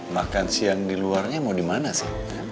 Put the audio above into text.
makan siang di luarnya mau di mana sih